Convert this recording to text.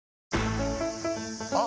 あ！